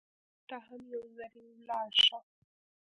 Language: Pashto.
پالرمو ته هم یو ځلي ولاړ شه.